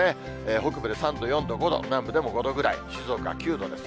北部で３度、４度、５度、南部でも５度ぐらい、静岡９度です。